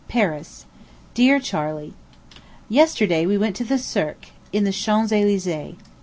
PARIS. DEAR CHARLEY: Yesterday we went to the Cirque, in the Champs Elysées.